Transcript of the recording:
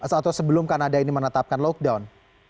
atau sebelum kanada ini menetapkan lockdown